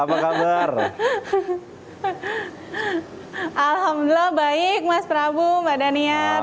alhamdulillah baik mas prabu mbak daniar